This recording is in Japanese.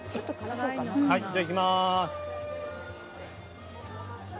じゃあいきます。